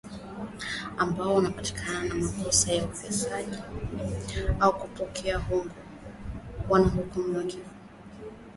ambapo wanaopatikana na makosa ya ufisadi au kupokea hongo wanahukumiwa kifo